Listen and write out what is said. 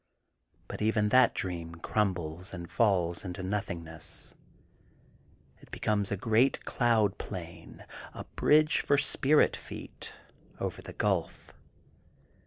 But even that dream crumbles and falls into nothingness. It becomes a great cloud plain, a bridge for spirit feet, over the gulf.